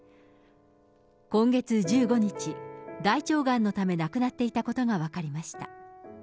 今月１５日、大腸がんのため亡くなっていたことが分かりました。